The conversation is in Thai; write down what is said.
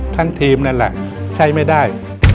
ทั้งทีมนั่นแหละใช้ไม่ได้